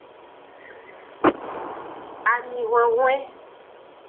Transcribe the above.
Ami hwenhwen.